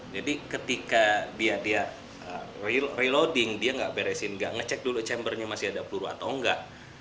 jadi ketika dia reloading dia nggak beresin nggak ngecek dulu chambernya masih ada peluru atau nggak